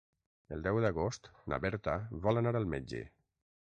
El deu d'agost na Berta vol anar al metge.